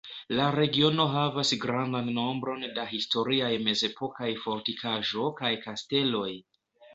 La regiono havas grandan nombron da historiaj mezepokaj fortikaĵo kaj kasteloj.